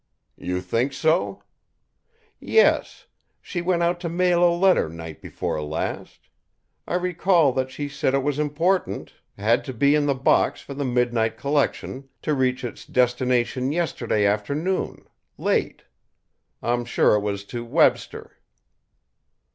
"You think so?" "Yes; she went out to mail a letter night before last. I recall that she said it was important, had to be in the box for the midnight collection, to reach its destination yesterday afternoon late. I'm sure it was to Webster."